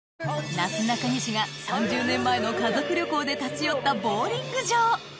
なすなかにしが３０年前の家族旅行で立ち寄ったボウリング場